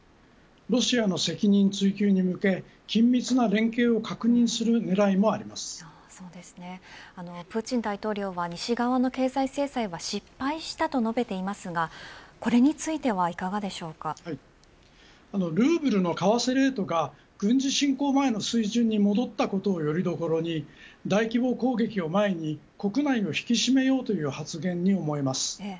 ロシアの責任追及に向け緊密な連携を確認する狙いもありプーチン大統領は西側の経済制裁は失敗したと述べていますがルーブルの為替レートが軍事侵攻前の水準に戻ったことをよりどころに大規模攻撃を前に国内を引き締めようという発言に思います。